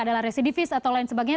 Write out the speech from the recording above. adalah residivis atau lain sebagainya